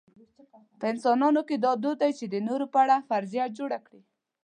په انسانانو کې دا دود دی چې د نورو په اړه فرضیه جوړه کړي.